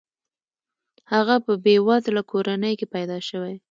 هغه په بې وزله کورنۍ کې پیدا شوی.